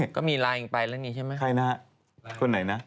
ก็มีไลน์ไปแล้วนี่ใช่ไหมไครน่ะคนไหนน่ะ